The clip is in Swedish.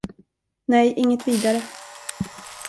Nej, inget vidare.